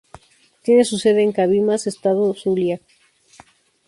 Tiene su sede en Cabimas, estado Zulia.